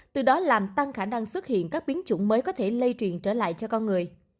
từ đó làm tăng khả năng xuất hiện các biến chủng mới có thể lây truyền trở lại cho con người